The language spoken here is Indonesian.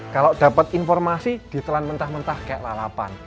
kalau dapat informasi ditelan mentah mentah kayak lalapan